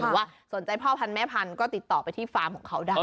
หรือว่าสนใจพ่อพันธแม่พันธุ์ก็ติดต่อไปที่ฟาร์มของเขาได้